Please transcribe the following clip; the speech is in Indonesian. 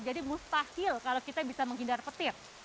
jadi mustahil kalau kita bisa menghindar petir